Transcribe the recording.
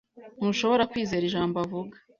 Ntushobora kwizera ijambo avuga.